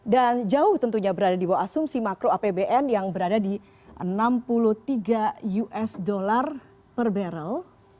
dan jauh tentunya berada di bawah asumsi makro apbn yang berada di rp enam puluh tiga per barrel